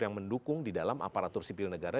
yang mendukung di dalam aparatur sipil negara